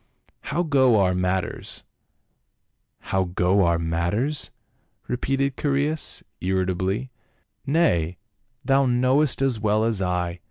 " How go our matters ?"" How go our matters?" repeated Chaereas irrita bly. " Nay, thou knowest as well as I.